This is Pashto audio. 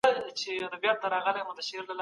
چي هسي که دي کښېښوده نو توره به دي زنګ سي